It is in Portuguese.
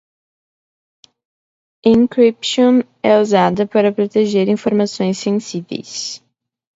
Encryption é usada para proteger informações sensíveis.